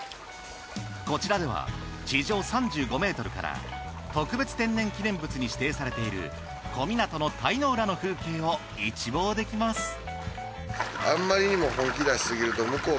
こちらでは地上３５ｍから特別天然記念物に指定されている小湊の鯛の浦の風景を一望できます。